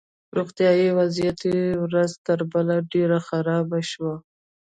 روغتیایي وضعیت یې ورځ تر بلې ډېر خراب شو